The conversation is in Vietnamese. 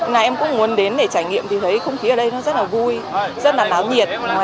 ngày em cũng muốn đến để trải nghiệm thì thấy không khí ở đây nó rất là vui rất là náo nhiệt